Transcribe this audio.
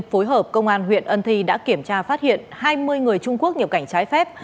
phối hợp công an huyện ân thi đã kiểm tra phát hiện hai mươi người trung quốc nhập cảnh trái phép